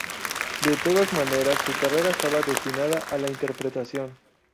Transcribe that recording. De todas maneras, su carrera estaba destinada a la interpretación.